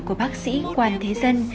của bác sĩ quang thế dân